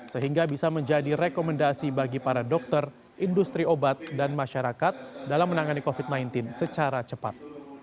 sehingga bisa menjadi rekomendasi bagi para dokter industri obat dan masyarakat dalam menangani covid sembilan belas secara cepat